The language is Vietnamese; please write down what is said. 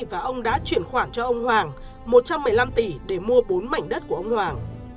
và ông đã chuyển khoản cho ông hoàng một trăm một mươi năm tỷ để mua bốn mảnh đất của ông hoàng